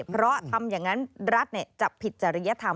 เพราะทำอย่างนั้นรัฐจะผิดจริยธรรม